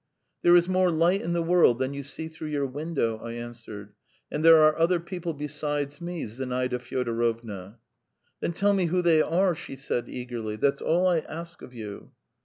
"There is more light in the world than you see through your window," I answered. "And there are other people besides me, Zinaida Fyodorovna." "Then tell me who they are," she said eagerly. "That's all I ask of you."